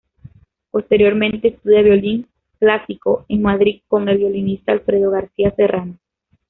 Posteriormente estudia violín clásico en Madrid con el violinista Alfredo García Serrano.